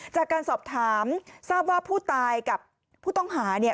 จากการสอบถามทราบว่าผู้ตายกับผู้ต้องหาเนี่ย